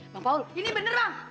bang paul ini bener bang